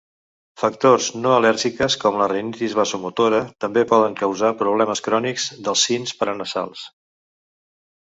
Factors no al·lèrgiques com la rinitis vasomotora també poden causar problemes crònics dels sins paranasals.